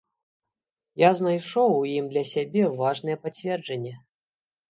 Я знайшоў у ім для сябе важнае пацверджанне.